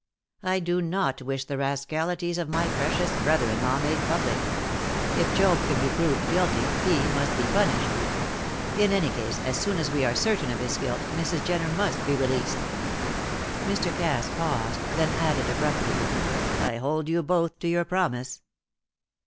I do not wish the rascalities of my precious brother in law made public. If Job can be proved guilty, he must be punished. In any case, as soon as we are certain of his guilt, Mrs. Jenner must be released." Mr. Cass paused, then added abruptly: "I hold you both to your promise."